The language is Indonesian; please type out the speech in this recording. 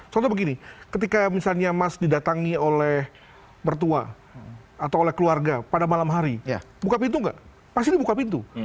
contoh begini ketika misalnya mas didatangi oleh mertua atau oleh keluarga pada malam hari buka pintu nggak pasti dibuka pintu